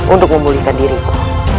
untuk memulihkan diriku